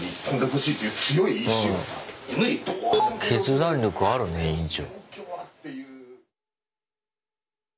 決断力あるね委員長。